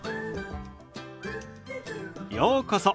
ようこそ。